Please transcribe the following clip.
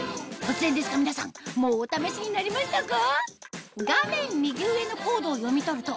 突然ですが皆さんもうお試しになりましたか？